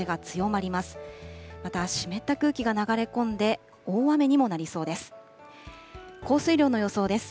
また、湿った空気が流れ込んで、大雨にもなりそうです。